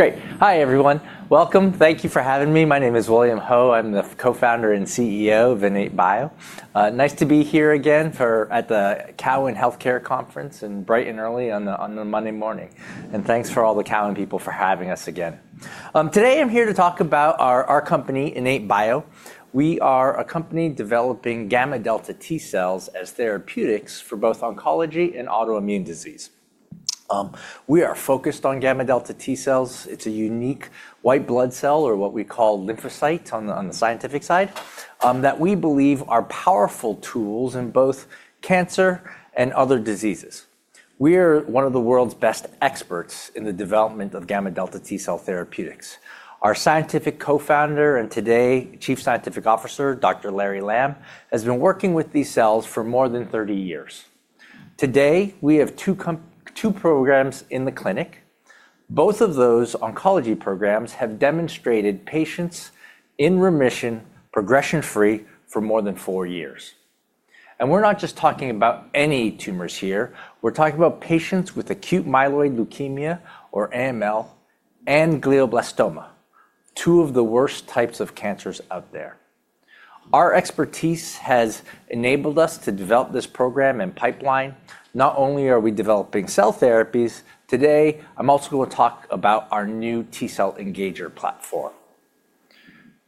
Great. Hi, everyone. Welcome. Thank you for having me. My name is William Ho. I'm the co-founder and CEO of IN8bio. Nice to be here again at the Cowen Healthcare Conference in bright and early on the, on the Monday morning. Thanks for all the Cowen people for having us again. Today I'm here to talk about our company, IN8bio. We are a company developing gamma delta T cells as therapeutics for both oncology and autoimmune disease. We are focused on gamma delta T cells. It's a unique white blood cell, or what we call lymphocyte on the, on the scientific side, that we believe are powerful tools in both cancer and other diseases. We're one of the world's best experts in the development of gamma delta T cell therapeutics. Our scientific co-founder, and today Chief Scientific Officer, Dr. Larry Lamb has been working with these cells for more than 30 years. Today, we have two programs in the clinic. Both of those oncology programs have demonstrated patients in remission, progression free for more than 4 years. We're not just talking about any tumors here. We're talking about patients with acute myeloid leukemia, or AML, and glioblastoma, 2 of the worst types of cancers out there. Our expertise has enabled us to develop this program and pipeline. Not only are we developing cell therapies, today I'm also gonna talk about our new T cell engager platform.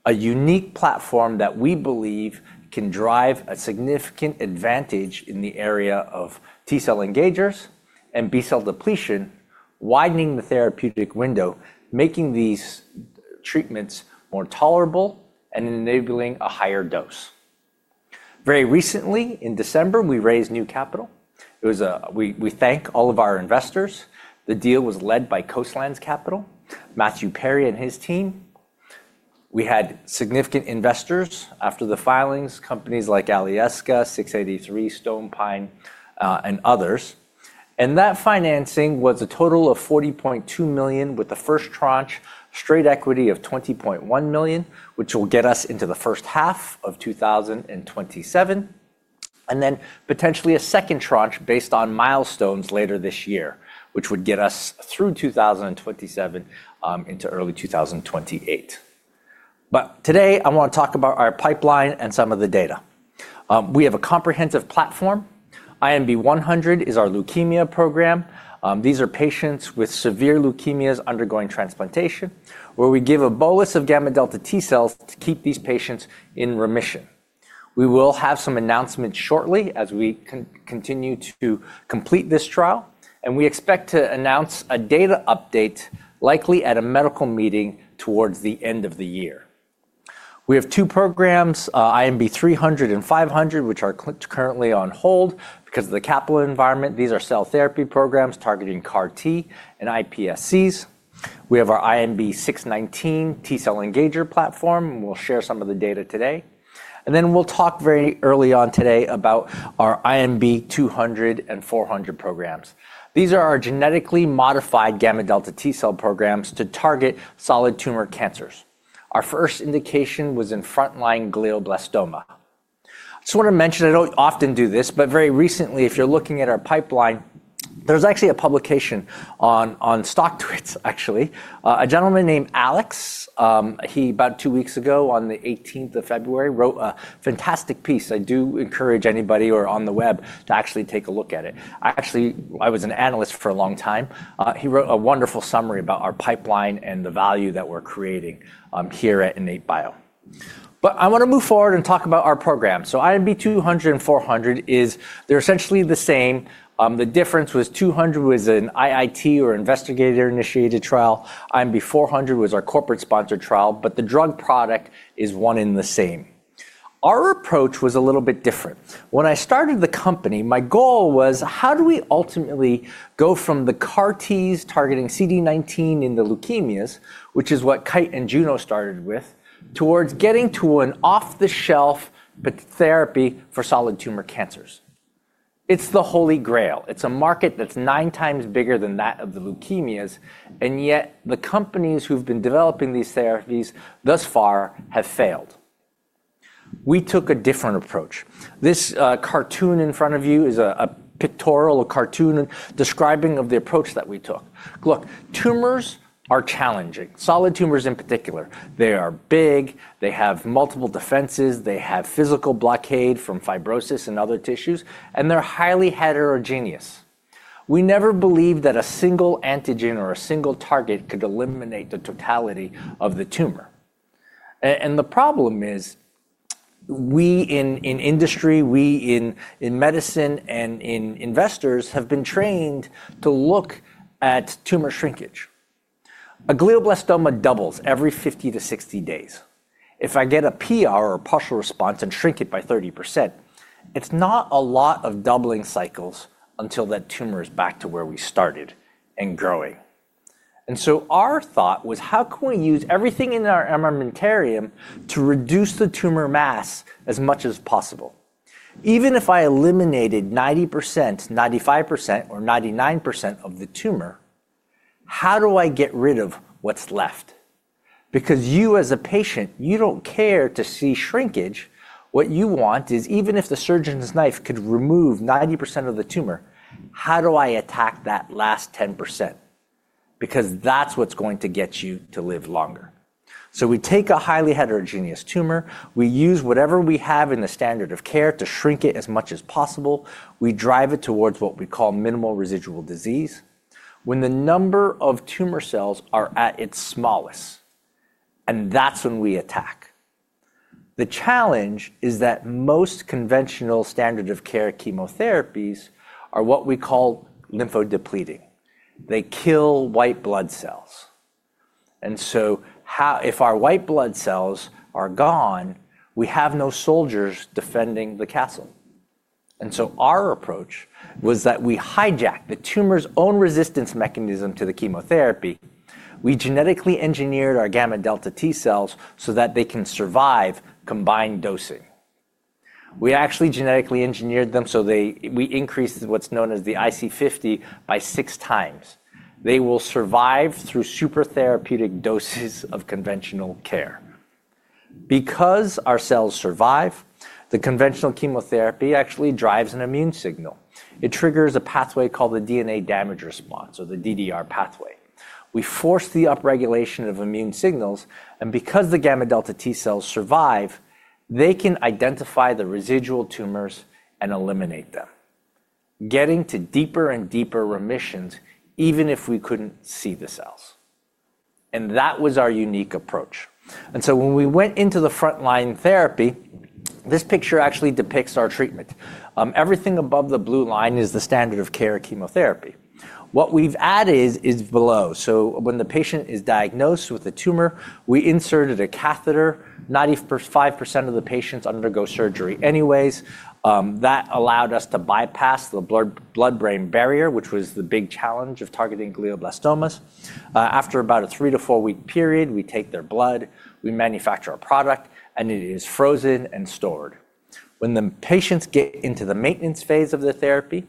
A unique platform that we believe can drive a significant advantage in the area of T cell engagers and B cell depletion, widening the therapeutic window, making these treatments more tolerable and enabling a higher dose. Very recently, in December, we raised new capital. It was... We thank all of our investors. The deal was led by Coastland Capital, Matthew Perry and his team. We had significant investors after the filings, companies like Alyeska, 683 Capital, Stonepine, and others. That financing was a total of $40.2 million, with the first tranche straight equity of $20.1 million, which will get us into the first half of 2027, and then potentially a second tranche based on milestones later this year, which would get us through 2027, into early 2028. Today I wanna talk about our pipeline and some of the data. We have a comprehensive platform. INB-100 is our leukemia program. These are patients with severe leukemias undergoing transplantation, where we give a bolus of gamma delta T cells to keep these patients in remission. We will have some announcements shortly as we continue to complete this trial. We expect to announce a data update, likely at a medical meeting, towards the end of the year. We have two programs, INB-300 and INB-500, which are currently on hold 'cause of the capital environment. These are cell therapy programs targeting CAR T and iPSCs. We have our INB-619 T cell engager platform. We'll share some of the data today. We'll talk very early on today about our INB-200 and INB-400 programs. These are our genetically modified gamma delta T cell programs to target solid tumor cancers. Our first indication was in front line glioblastoma. Just wanna mention, I don't often do this. Very recently, if you're looking at our pipeline, there was actually a publication on StockTwits actually. A gentleman named Alex, he about two weeks ago, on the 18th of February, wrote a fantastic piece. I do encourage anybody who are on the web to actually take a look at it. I was an analyst for a long time. He wrote a wonderful summary about our pipeline and the value that we're creating here at IN8bio. I wanna move forward and talk about our program. INB 200 and 400 is essentially the same. The difference was 200 was an IIT or investigator-initiated trial. INB 400 was our corporate sponsored trial, the drug product is one and the same. Our approach was a little bit different. When I started the company, my goal was how do we ultimately go from the CAR Ts targeting CD19 in the leukemias, which is what Kite and Juno started with, towards getting to an off-the-shelf but therapy for solid tumor cancers? It's the holy grail. It's a market that's 9 times bigger than that of the leukemias, yet the companies who've been developing these therapies thus far have failed. We took a different approach. This cartoon in front of you is a pictorial or cartoon describing of the approach that we took. Look, tumors are challenging. Solid tumors in particular. They are big. They have multiple defenses. They have physical blockade from fibrosis and other tissues, they're highly heterogeneous. We never believed that a single antigen or a single target could eliminate the totality of the tumor. The problem is, we in industry, we in medicine, and in investors have been trained to look at tumor shrinkage. A glioblastoma doubles every 50 to 60 days. If I get a PR or a partial response and shrink it by 30%, it's not a lot of doubling cycles until that tumor is back to where we started and growing. Our thought was how can we use everything in our armamentarium to reduce the tumor mass as much as possible? Even if I eliminated 90%, 95% or 99% of the tumor, how do I get rid of what's left? You as a patient, you don't care to see shrinkage. What you want is even if the surgeon's knife could remove 90% of the tumor, how do I attack that last 10%? That's what's going to get you to live longer. We take a highly heterogeneous tumor, we use whatever we have in the standard of care to shrink it as much as possible, we drive it towards what we call minimal residual disease. When the number of tumor cells are at its smallest, and that's when we attack. The challenge is that most conventional standard of care chemotherapies are what we call lymphodepleting. They kill white blood cells. If our white blood cells are gone, we have no soldiers defending the castle. Our approach was that we hijack the tumor's own resistance mechanism to the chemotherapy. We genetically engineered our gamma delta T cells so that they can survive combined dosing. We actually genetically engineered them, so they we increased what's known as the IC50 by six times. They will survive through super therapeutic doses of conventional care. Because our cells survive, the conventional chemotherapy actually drives an immune signal. It triggers a pathway called the DNA damage response, or the DDR pathway. We force the upregulation of immune signals, and because the gamma delta T cells survive, they can identify the residual tumors and eliminate them, getting to deeper and deeper remissions, even if we couldn't see the cells. That was our unique approach. When we went into the front line therapy, this picture actually depicts our treatment. Everything above the blue line is the standard of care chemotherapy. What we've added is below. When the patient is diagnosed with the tumor, we inserted a catheter. 95% of the patients undergo surgery anyways. That allowed us to bypass the blood-brain barrier, which was the big challenge of targeting glioblastomas. After about a 3 to 4-week period, we take their blood, we manufacture a product, and it is frozen and stored. When the patients get into the maintenance phase of the therapy,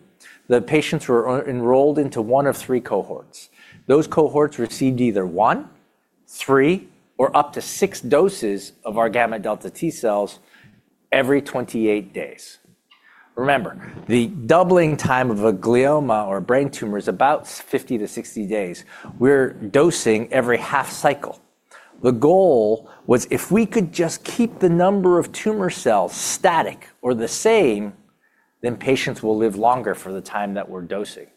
the patients were enrolled into 1 of 3 cohorts. Those cohorts received either 1, 3, or up to 6 doses of our gamma delta T cells every 28 days. Remember, the doubling time of a glioma or brain tumor is about 50 to 60 days. We're dosing every half cycle. The goal was if we could just keep the number of tumor cells static or the same, then patients will live longer for the time that we're dosing.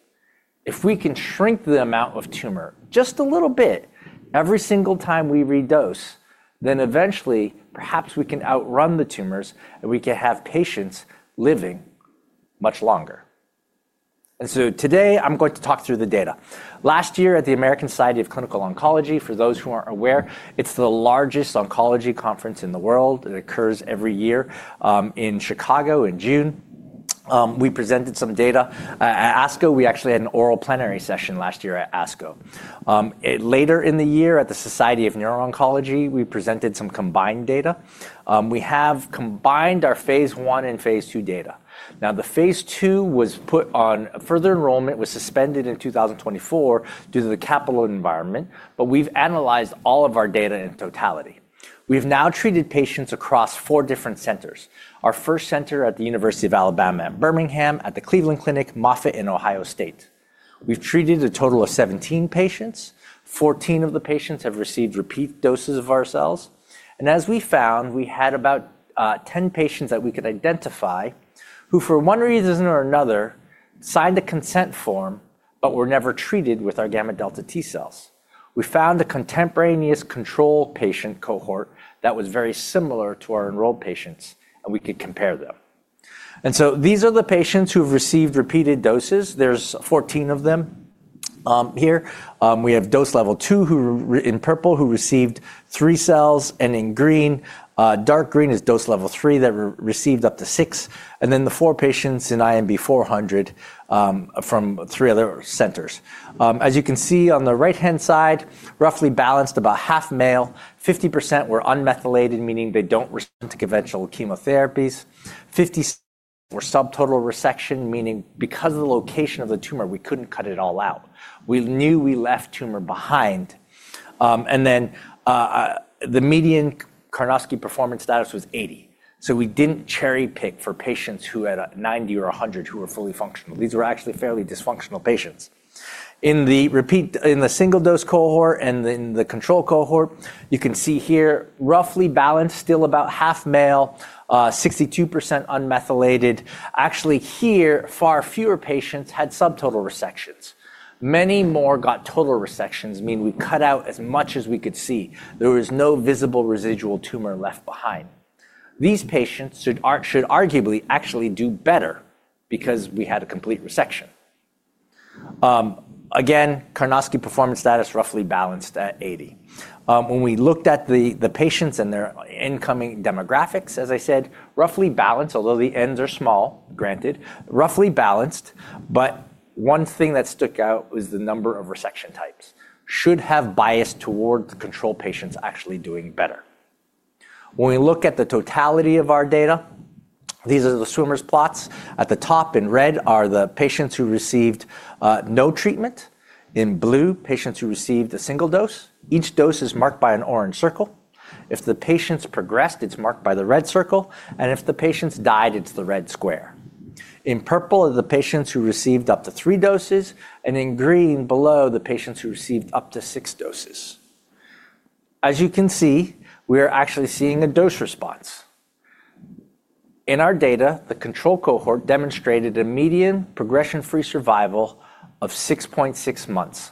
If we can shrink the amount of tumor just a little bit every single time we redose, then eventually perhaps we can outrun the tumors, and we can have patients living much longer. Today I'm going to talk through the data. Last year at the American Society of Clinical Oncology, for those who aren't aware, it's the largest oncology conference in the world, and it occurs every year in Chicago in June, we presented some data. At ASCO, we actually had an oral plenary session last year at ASCO. Later in the year at the Society of Neuro-Oncology, we presented some combined data. We have combined our phase one and phase two data. Now, the phase two further enrollment was suspended in 2024 due to the capital environment, we've analyzed all of our data in totality. We've now treated patients across 4 different centers. Our first center at the University of Alabama at Birmingham, at the Cleveland Clinic, Moffitt, and Ohio State. We've treated a total of 17 patients. 14 of the patients have received repeat doses of our cells. As we found, we had about 10 patients that we could identify who, for one reason or another, signed the consent form but were never treated with our gamma-delta T cells. We found a contemporaneous control patient cohort that was very similar to our enrolled patients, and we could compare them. These are the patients who have received repeated doses. There's 14 of them here. We have dose level 2 in purple who received 3 cells. In green, dark green is dose level 3 that received up to 6. Then the 4 patients in INB-400, from 3 other centers. As you can see on the right-hand side, roughly balanced about half male, 50% were unmethylated, meaning they don't respond to conventional chemotherapies. 50% were subtotal resection, meaning because of the location of the tumor, we couldn't cut it all out. We knew we left tumor behind. Then the median Karnofsky Performance Status was 80. We didn't cherry-pick for patients who had a 90 or 100 who were fully functional. These were actually fairly dysfunctional patients. In the single-dose cohort and in the control cohort, you can see here, roughly balanced, still about half male, 62% unmethylated. Actually, here, far fewer patients had subtotal resections. Many more got total resections, meaning we cut out as much as we could see. There was no visible residual tumor left behind. These patients should arguably actually do better because we had a complete resection. Again, Karnofsky Performance Status roughly balanced at 80. When we looked at the patients and their incoming demographics, as I said, roughly balanced, although the ends are small, granted, roughly balanced, one thing that stuck out was the number of resection types. Should have biased toward the control patients actually doing better. When we look at the totality of our data, these are the swimmers plots. At the top in red are the patients who received no treatment. In blue, patients who received a single dose. Each dose is marked by an orange circle. If the patients progressed, it's marked by the red circle, and if the patients died, it's the red square. In purple are the patients who received up to 3 doses, and in green below, the patients who received up to 6 doses. As you can see, we are actually seeing a dose response. In our data, the control cohort demonstrated a median progression-free survival of 6.6 months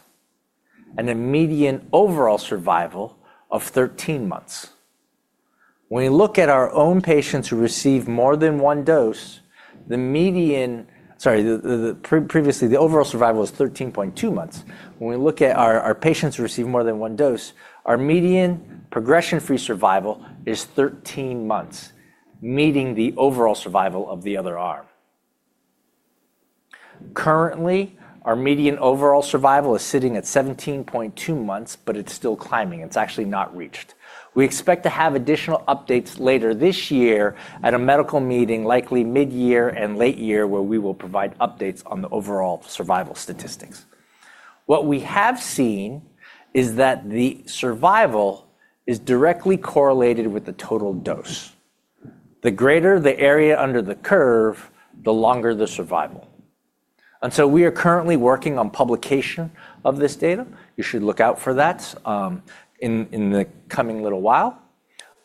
and a median overall survival of 13 months. When we look at our own patients who received more than 1 dose, Sorry, previously, the overall survival is 13.2 months. When we look at our patients who received more than one dose, our median progression-free survival is 13 months, meeting the overall survival of the other arm. Currently, our median overall survival is sitting at 17.2 months, but it's still climbing. It's actually not reached. We expect to have additional updates later this year at a medical meeting, likely mid-year and late year, where we will provide updates on the overall survival statistics. What we have seen is that the survival is directly correlated with the total dose. The greater the area under the curve, the longer the survival. We are currently working on publication of this data. You should look out for that in the coming little while.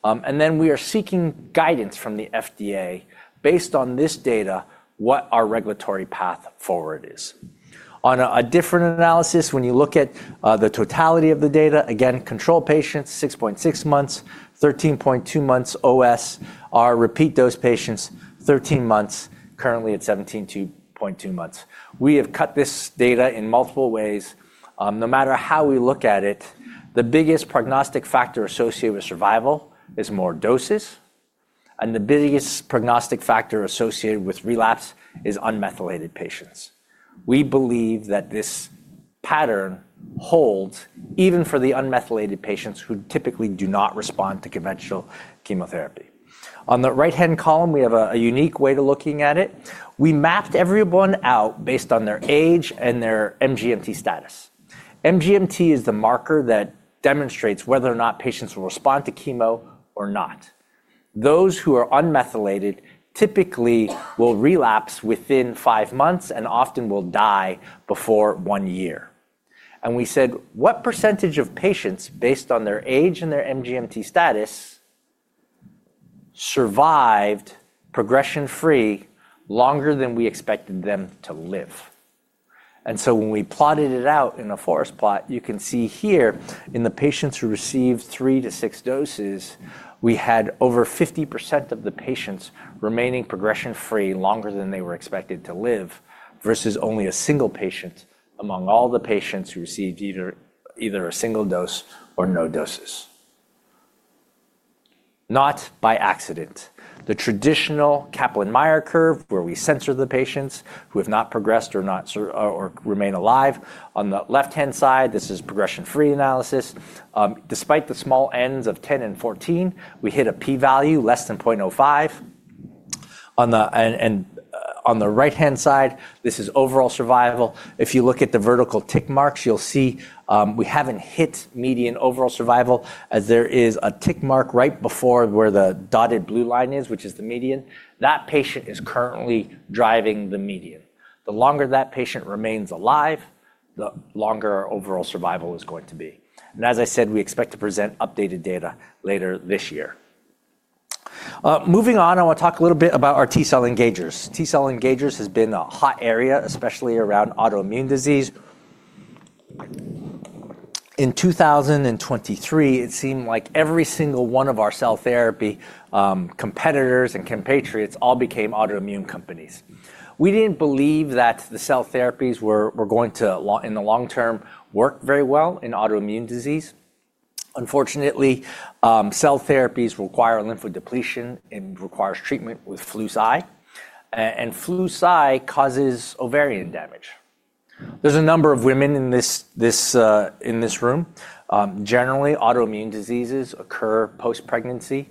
We are seeking guidance from the FDA based on this data, what our regulatory path forward is. On a different analysis, when you look at the totality of the data, again, control patients, 6.6 months, 13.2 months OS. Our repeat dose patients, 13 months, currently at 17.2 months. We have cut this data in multiple ways. No matter how we look at it, the biggest prognostic factor associated with survival is more doses, and the biggest prognostic factor associated with relapse is unmethylated patients. We believe that this pattern holds even for the unmethylated patients who typically do not respond to conventional chemotherapy. On the right-hand column, we have a unique way to looking at it. We mapped everyone out based on their age and their MGMT status. MGMT is the marker that demonstrates whether or not patients will respond to chemo or not. Those who are unmethylated typically will relapse within five months and often will die before one year. We said, "What % of patients, based on their age and their MGMT status, survived progression-free longer than we expected them to live?" When we plotted it out in a forest plot, you can see here in the patients who received three to six doses, we had over 50% of the patients remaining progression-free longer than they were expected to live, versus only a single patient among all the patients who received either a single dose or no doses. Not by accident. The traditional Kaplan-Meier curve, where we censor the patients who have not progressed or remain alive. On the left-hand side, this is progression-free analysis. Despite the small ends of 10 and 14, we hit a P value less than 0.05. On the right-hand side, this is overall survival. If you look at the vertical tick marks, you'll see, we haven't hit median overall survival, as there is a tick mark right before where the dotted blue line is, which is the median. That patient is currently driving the median. The longer that patient remains alive, the longer our overall survival is going to be. As I said, we expect to present updated data later this year. Moving on, I wanna talk a little bit about our T-cell engagers. T-cell engagers has been a hot area, especially around autoimmune disease. In 2023, it seemed like every single one of our cell therapy competitors and compatriots all became autoimmune companies. We didn't believe that the cell therapies were going to in the long term, work very well in autoimmune disease. Unfortunately, cell therapies require lymphodepletion and requires treatment with Fludarabine. Flu/Cy causes ovarian damage. There's a number of women in this, in this room. Generally, autoimmune diseases occur post-pregnancy,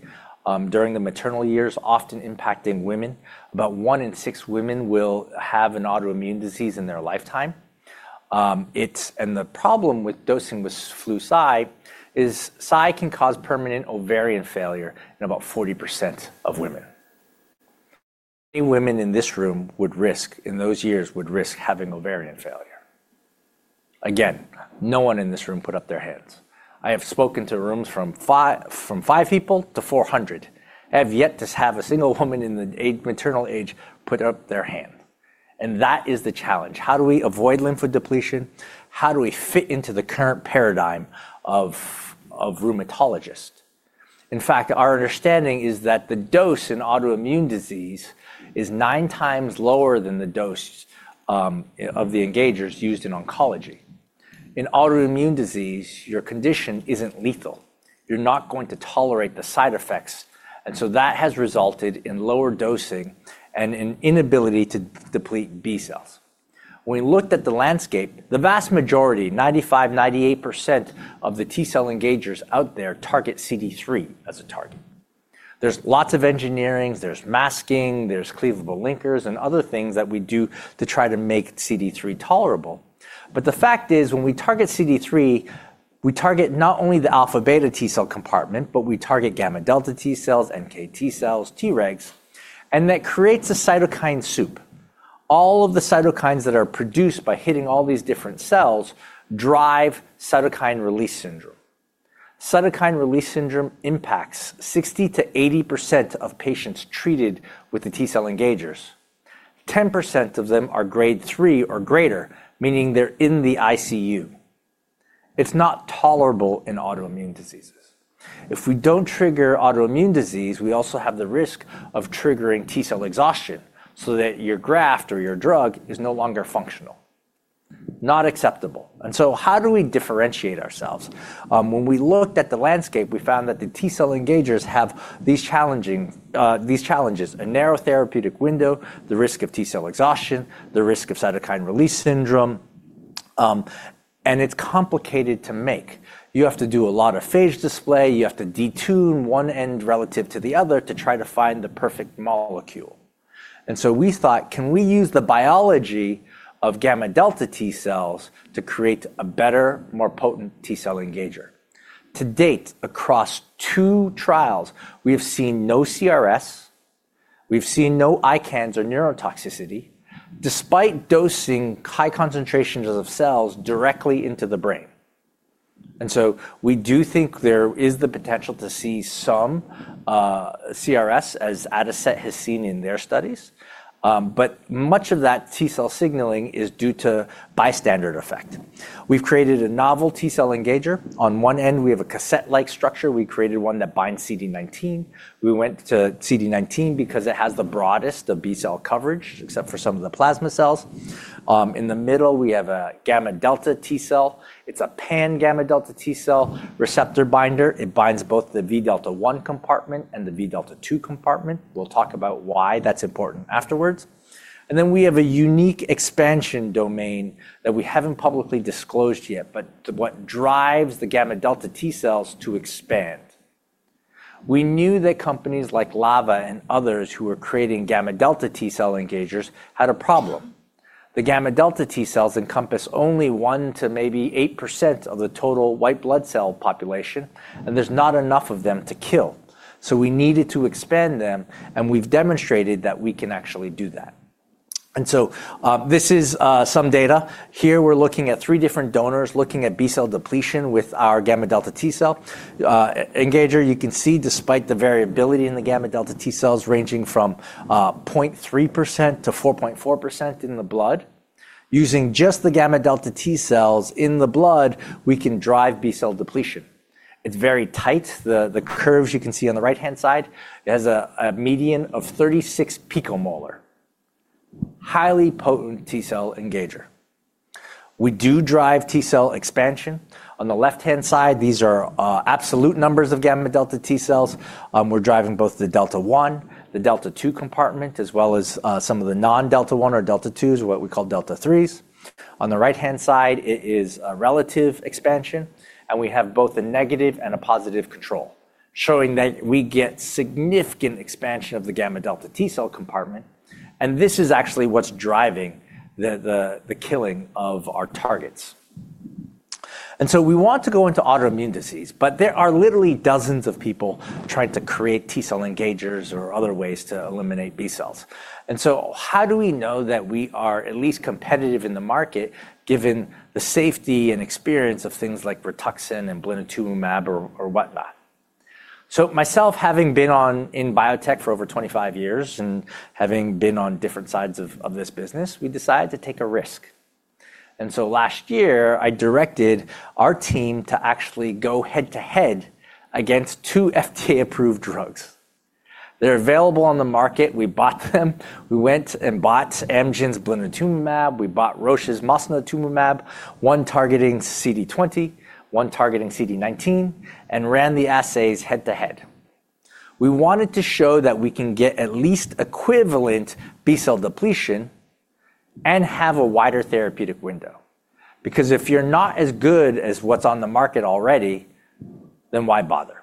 during the maternal years, often impacting women. About one in six women will have an autoimmune disease in their lifetime. The problem with dosing with Fludarabine is Cytoxan can cause permanent ovarian failure in about 40% of women. Any women in this room would risk in those years, would risk having ovarian failure? Again, no one in this room put up their hands. I have spoken to rooms from 5 people to 400. I have yet to have a single woman in the maternal age put up their hand. That is the challenge. How do we avoid lymphodepletion? How do we fit into the current paradigm of rheumatologists? In fact, our understanding is that the dose in autoimmune disease is 9 times lower than the dose of the engagers used in oncology. In autoimmune disease, your condition isn't lethal. You're not going to tolerate the side effects. That has resulted in lower dosing and an inability to deplete B cells. We looked at the landscape, the vast majority, 95%, 98% of the T-cell engagers out there target CD3 as a target. There's lots of engineerings, there's masking, there's cleavable linkers, and other things that we do to try to make CD3 tolerable. The fact is, when we target CD3, we target not only the alpha beta T cell compartment, but we target gamma delta T cells, NKT cells, Tregs, and that creates a cytokine soup. All of the cytokines that are produced by hitting all these different cells drive cytokine release syndrome. Cytokine release syndrome impacts 60%-80% of patients treated with the T-cell engagers. 10% of them are grade 3 or greater, meaning they're in the ICU. It's not tolerable in autoimmune diseases. If we don't trigger autoimmune disease, we also have the risk of triggering T-cell exhaustion so that your graft or your drug is no longer functional. Not acceptable. How do we differentiate ourselves? When we looked at the landscape, we found that the T-cell engagers have these challenges, a narrow therapeutic window, the risk of T-cell exhaustion, the risk of cytokine release syndrome, and it's complicated to make. You have to do a lot of phage display, you have to detune one end relative to the other to try to find the perfect molecule. We thought, can we use the biology of gamma delta T cells to create a better, more potent T-cell engager? To date, across two trials, we have seen no CRS, we've seen no ICANS or neurotoxicity, despite dosing high concentrations of cells directly into the brain. We do think there is the potential to see some CRS as Autolus has seen in their studies, but much of that T-cell signaling is due to bystander effect. We've created a novel T-cell engager. On one end, we have a cassette-like structure. We created one that binds CD19. We went to CD19 because it has the broadest of B-cell coverage, except for some of the plasma cells. In the middle, we have a gamma delta T cell. It's a pan gamma delta T cell receptor binder. It binds both the V delta one compartment and the V delta two compartment. We'll talk about why that's important afterwards. We have a unique expansion domain that we haven't publicly disclosed yet, but what drives the gamma delta T cells to expand. We knew that companies like Lava and others who were creating gamma delta T cell engagers had a problem. The gamma delta T cells encompass only 1 to maybe 8% of the total white blood cell population, and there's not enough of them to kill. We needed to expand them, and we've demonstrated that we can actually do that. This is some data. Here we're looking at three different donors, looking at B cell depletion with our gamma-delta T cell engager. You can see despite the variability in the gamma-delta T cells ranging from 0.3% to 4.4% in the blood, using just the gamma-delta T cells in the blood, we can drive B cell depletion. It's very tight. The curves you can see on the right-hand side, it has a median of 36 picomolar. Highly potent T cell engager. We do drive T cell expansion. On the left-hand side, these are absolute numbers of gamma-delta T cells. We're driving both the delta one, the delta two compartment, as well as some of the non-delta one or delta twos, or what we call delta-threes. On the right-hand side, it is a relative expansion, and we have both a negative and a positive control, showing that we get significant expansion of the gamma delta T cell compartment, and this is actually what's driving the killing of our targets. We want to go into autoimmune disease, but there are literally dozens of people trying to create T cell engagers or other ways to eliminate B cells. How do we know that we are at least competitive in the market given the safety and experience of things like Rituxan and Blinatumomab or whatnot? Myself having been on in biotech for over 25 years and having been on different sides of this business, we decided to take a risk. Last year, I directed our team to actually go head-to-head against 2 FDA-approved drugs. They're available on the market. We bought them. We went and bought Amgen's Blinatumomab, we bought Roche's mosunetuzumab, one targeting CD20, one targeting CD19, and ran the assays head-to-head. We wanted to show that we can get at least equivalent B cell depletion and have a wider therapeutic window, because if you're not as good as what's on the market already, then why bother?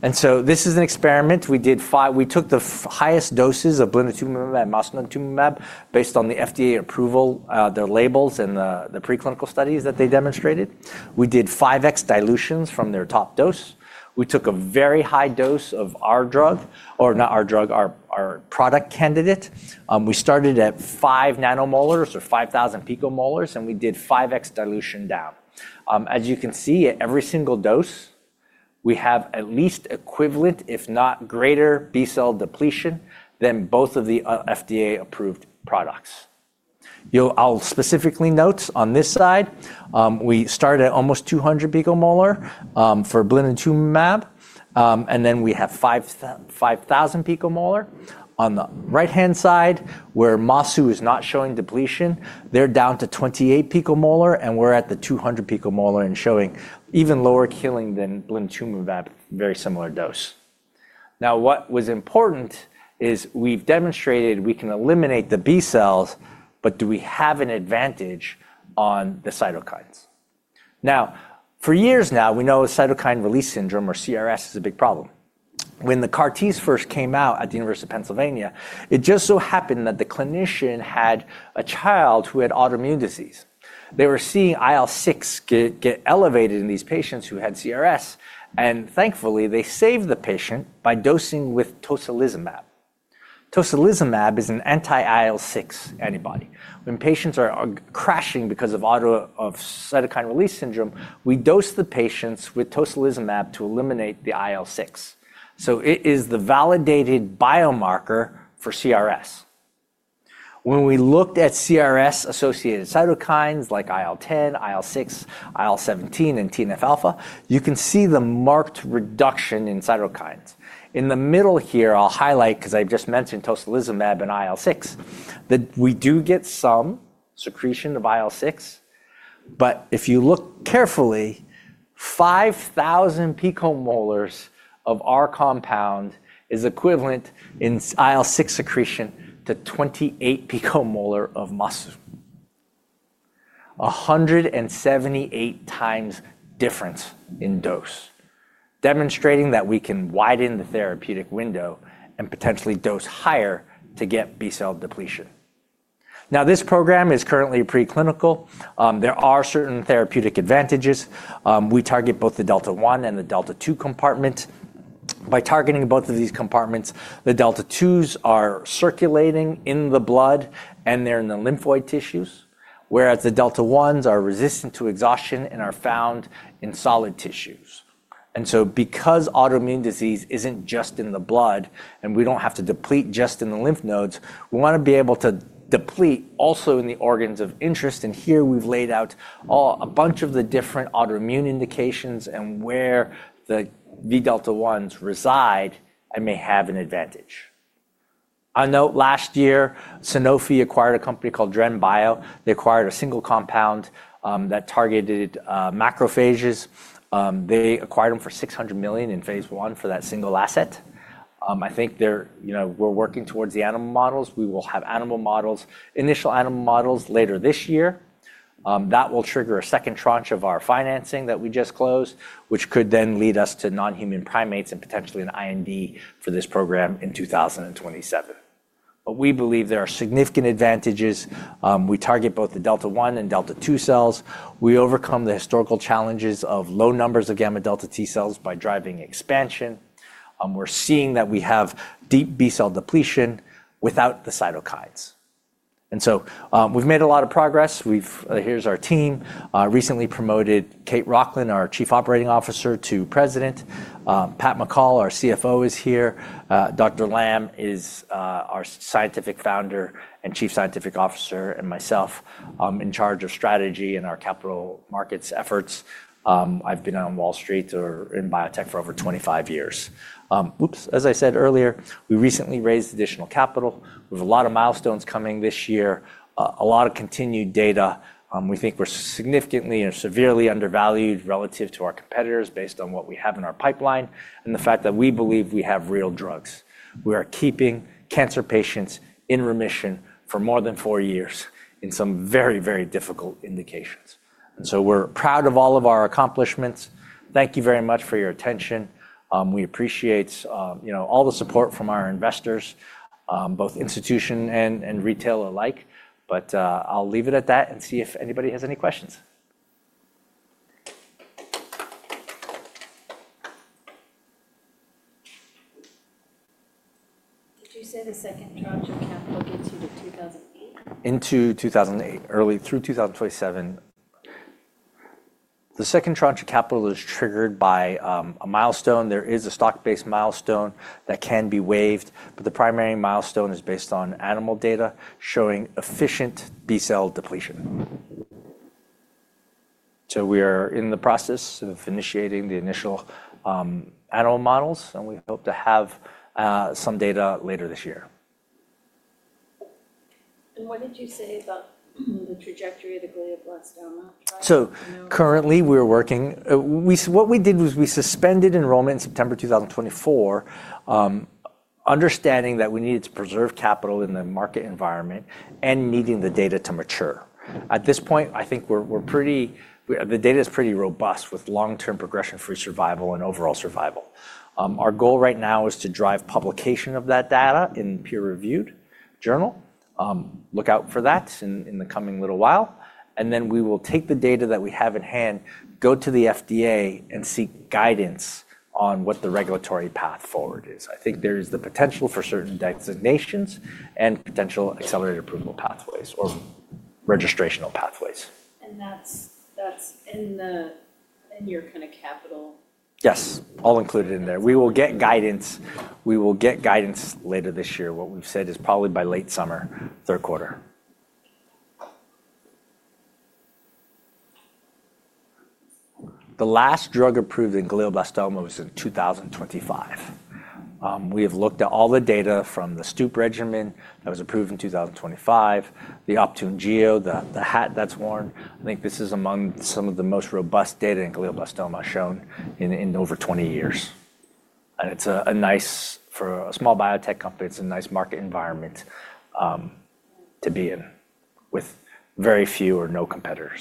This is an experiment. We did five. We took the highest doses of Blinatumomab and mosunetuzumab based on the FDA approval, their labels and the preclinical studies that they demonstrated. We did 5x dilutions from their top dose. We took a very high dose of our drug, or not our drug, our product candidate. We started at 5 nanomolars or 5,000 picomolars. We did 5x dilution down. As you can see, at every single dose, we have at least equivalent, if not greater B-cell depletion than both of the FDA-approved products. I'll specifically note on this side, we start at almost 200 picomolar for Blinatumomab. Then we have 5,000 picomolar. On the right-hand side, where mosunetuzumab is not showing depletion, they're down to 28 picomolar. We're at the 200 picomolar and showing even lower killing than Blinatumomab, very similar dose. What was important is we've demonstrated we can eliminate the B cells. Do we have an advantage on the cytokines? Now, for years now, we know cytokine release syndrome, or CRS, is a big problem. When the CAR Ts first came out at the University of Pennsylvania, it just so happened that the clinician had a child who had autoimmune disease. They were seeing IL-6 get elevated in these patients who had CRS. Thankfully, they saved the patient by dosing with tocilizumab. Tocilizumab is an anti-IL-6 antibody. When patients are crashing because of cytokine release syndrome, we dose the patients with tocilizumab to eliminate the IL-6. It is the validated biomarker for CRS. When we looked at CRS-associated cytokines like IL-10, IL-6, IL-17 and TNF-alpha, you can see the marked reduction in cytokines. In the middle here, I'll highlight 'cause I just mentioned tocilizumab and IL-6, that we do get some secretion of IL-6. If you look carefully, 5,000 picomolars of our compound is equivalent in IL-6 secretion to 28 picomolar of Mosun. 178 times difference in dose, demonstrating that we can widen the therapeutic window and potentially dose higher to get B cell depletion. This program is currently preclinical. There are certain therapeutic advantages. We target both the delta one and the delta two compartment. By targeting both of these compartments, the delta twos are circulating in the blood, and they're in the lymphoid tissues, whereas the delta ones are resistant to exhaustion and are found in solid tissues. Because autoimmune disease isn't just in the blood, and we don't have to deplete just in the lymph nodes, we wanna be able to deplete also in the organs of interest. Here we've laid out a bunch of the different autoimmune indications and where the Vδ1s reside and may have an advantage. A note, last year, Sanofi acquired a company called DrenBio. They acquired a single compound that targeted macrophages. They acquired them for $600 million in phase 1 for that single asset. You know, we're working towards the animal models. We will have animal models, initial animal models later this year. That will trigger a second tranche of our financing that we just closed, which could then lead us to non-human primates and potentially an IND for this program in 2027. We believe there are significant advantages. We target both the δ1 and δ2 cells. We overcome the historical challenges of low numbers of gamma-delta T cells by driving expansion. We're seeing that we have deep B cell depletion without the cytokines. We've made a lot of progress. Here's our team. Recently promoted Kate Rochlin, our Chief Operating Officer, to President. Patrick McCall, our CFO, is here. Dr. Lamb is our Scientific Founder and Chief Scientific Officer, and myself, I'm in charge of strategy and our capital markets efforts. I've been on Wall Street or in biotech for over 25 years. Oops. As I said earlier, we recently raised additional capital. We have a lot of milestones coming this year, a lot of continued data. We think we're significantly and severely undervalued relative to our competitors based on what we have in our pipeline and the fact that we believe we have real drugs. We are keeping cancer patients in remission for more than 4 years in some very, very difficult indications. We're proud of all of our accomplishments. Thank you very much for your attention. We appreciate, you know, all the support from our investors, both institution and retail alike. I'll leave it at that and see if anybody has any questions. Did you say the second tranche of capital gets you to 2028? Into 2028. Through 2027. The second tranche of capital is triggered by a milestone. There is a stock-based milestone that can be waived. The primary milestone is based on animal data showing efficient B-cell depletion. We are in the process of initiating the initial animal models, and we hope to have some data later this year. What did you say about the trajectory of the glioblastoma trial? Do you know? Currently what we did was we suspended enrollment in September 2023, understanding that we needed to preserve capital in the market environment and needing the data to mature. At this point, I think we're pretty the data is pretty robust with long-term progression-free survival and overall survival. Our goal right now is to drive publication of that data in peer-reviewed journal. Look out for that in the coming little while, we will take the data that we have at hand, go to the FDA and seek guidance on what the regulatory path forward is. I think there is the potential for certain designations and potential accelerated approval pathways or registrational pathways. that's in the in your kinda capital? Yes. All included in there. We will get guidance later this year. What we've said is probably by late summer, third quarter. The last drug approved in glioblastoma was in 2005. We have looked at all the data from the Stupp regimen that was approved in 2005, the Optune, the hat that's worn. I think this is among some of the most robust data in glioblastoma shown in over 20 years. It's a nice... For a small biotech company, it's a nice market environment to be in with very few or no competitors.